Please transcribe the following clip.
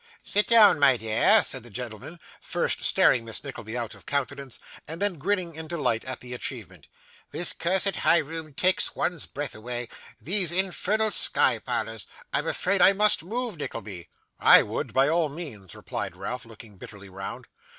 'Sit down, my dear,' said the gentleman: first staring Miss Nickleby out of countenance, and then grinning in delight at the achievement. 'This cursed high room takes one's breath away. These infernal sky parlours I'm afraid I must move, Nickleby.' 'I would, by all means,' replied Ralph, looking bitterly round.